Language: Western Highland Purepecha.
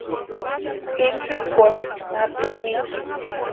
Intsïkwarhirini ma tumina.